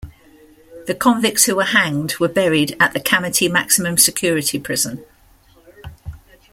The convicts who were hanged were buried at the Kamiti Maximum Security Prison.